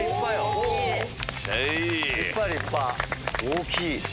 大きい！